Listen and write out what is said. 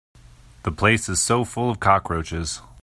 The place is so full of cockroaches.